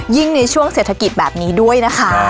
ในช่วงเศรษฐกิจแบบนี้ด้วยนะคะ